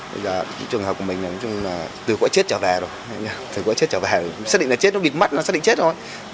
bây giờ trường hợp của mình là từ quả chết trở về rồi xác định là chết nó bịt mắt xác định chết rồi